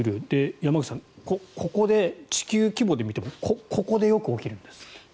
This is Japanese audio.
山口さん、ここで地球規模で見てもここでよく起きるんですって。